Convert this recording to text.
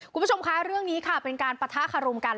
คุณผู้ชมคะเรื่องนี้ค่ะเป็นการปะทะคารมกัน